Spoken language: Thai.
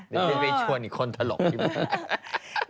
เดี๋ยวไปชวนอีกคนถลกที่บน